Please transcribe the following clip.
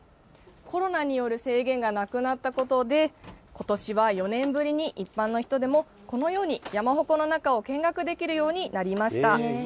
コロナによる制限がなくなったことで、ことしは４年ぶりに一般の人でもこのように山鉾の中を見学できるようになりました。